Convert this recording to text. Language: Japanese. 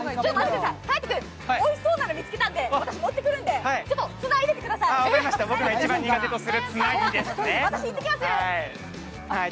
颯君、おいしそうなの見つけたので私、持ってくるんで、つないでおいてください。